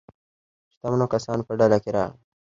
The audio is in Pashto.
شتمنو کسانو په ډله کې راغی.